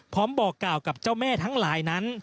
บอกกล่าวกับเจ้าแม่ทั้งหลายนั้น